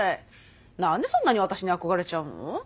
何でそんなに私に憧れちゃうの？